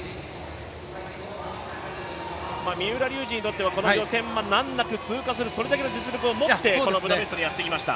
三浦龍司にとってはこの予選は難なく通過する、それだけの実力を持ってこのブダペストにやってきました。